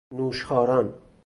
نوشخواران